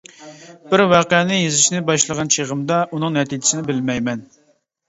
بىر ۋەقەنى يېزىشنى باشلىغان چېغىمدا ئۇنىڭ نەتىجىسىنى بىلمەيمەن.